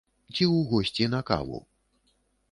Ці ў госці на каву?